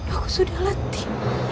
aku sudah letih